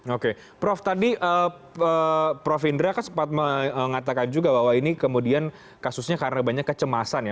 oke prof tadi prof indra kan sempat mengatakan juga bahwa ini kemudian kasusnya karena banyak kecemasan ya